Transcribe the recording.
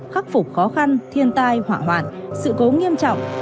khắc phục khó khăn thiên tai hỏa hoạn sự cố nghiêm trọng